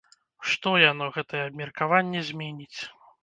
Што яно, гэтае абмеркаванне, зменіць?